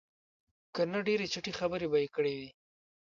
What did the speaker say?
که نه ډېرې چټي خبرې به یې کړې وې.